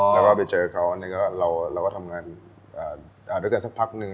แล้วก็ไปเจอเขาเราก็ทำงานด้วยกันสักพักหนึ่ง